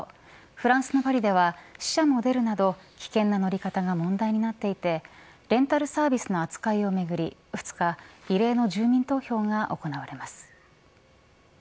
フランスのパリでは死者も出るなど危険な乗り方が問題となっていてレンタルサービスの扱いをめぐり２日異例の住民投票が行われます。